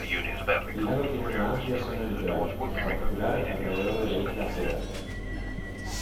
El lago tiene una amplia zona litoral, en particular alrededor de la isla Cedar.